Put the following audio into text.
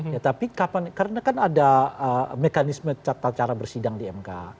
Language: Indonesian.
ya tapi karena kan ada mekanisme tata cara bersidang di mk